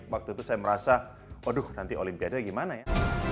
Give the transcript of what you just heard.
waktu itu saya merasa aduh nanti olimpiade gimana ya